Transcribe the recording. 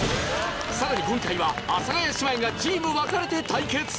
さらに今回は阿佐ヶ谷姉妹がチーム分かれて対決。